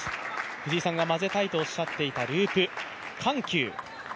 藤井さんがまぜたいとおっしゃっていたループ、緩急。